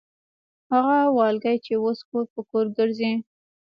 هغه والګي چې اوس کور پر کور ګرځي.